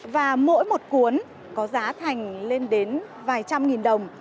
và mỗi một cuốn có giá thành lên đến vài trăm nghìn đồng